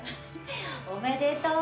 おめでとう！